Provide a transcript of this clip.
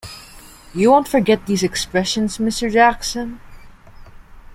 You won’t forget these expressions, Mr. Jackson?